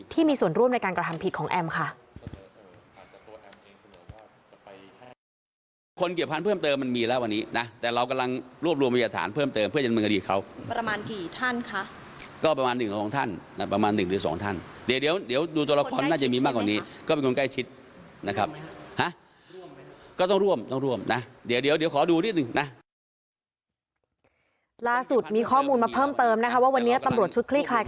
ที่มีส่วนร่วมในการกระทำผิดของแอมค่ะ